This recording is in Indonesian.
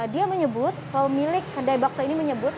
dia menyebut pemilik kedai bakso ini menyebut